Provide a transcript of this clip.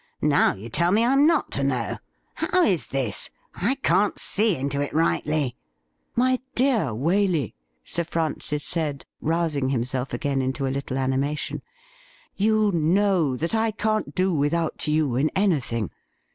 Now you tell me I am not to know. How is this .'' I can''t see into it rightly.' 'My dear Waley,' Sir Francis said, rousing himself again into a little animation, ' you know that I can't do without you in anything.